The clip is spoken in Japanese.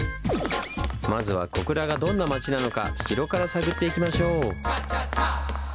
まずは小倉がどんな町なのか城から探っていきましょう！